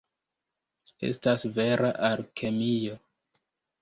Estas vera alkemio.